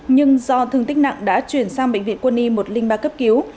nhưng do thương tích nặng đã chuyển sang bệnh viện quân y một trăm linh ba cấp cứu